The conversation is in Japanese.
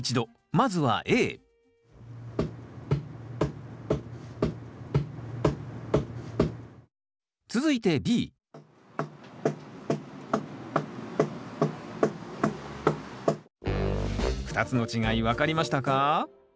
まずはＡ続いてＢ２つの違い分かりましたか？